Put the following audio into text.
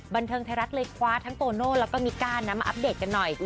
บันเทิงไทยรัฐเลยคว้าทั้งโตโน่แล้วก็มิก้านะมาอัปเดตกันหน่อย